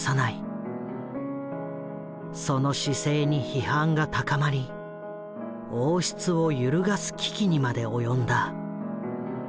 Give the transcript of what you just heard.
その姿勢に批判が高まり王室を揺るがす危機にまで及んだ。